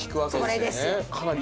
これですよ。